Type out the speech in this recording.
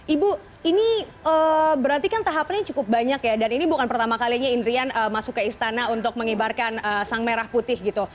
ibu ini berarti kan tahapannya cukup banyak ya dan ini bukan pertama kalinya indrian masuk ke istana untuk mengibarkan sang merah putih gitu